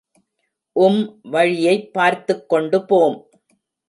உம் வழியைப் பார்த்துக்கொண்டு போம்.